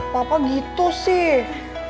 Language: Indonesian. papa gitu sih